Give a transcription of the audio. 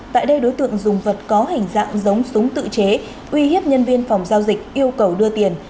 tại đây đối tượng dùng vật có hình dạng giống súng tự chế uy hiếp nhân viên phòng giao dịch yêu cầu đưa tiền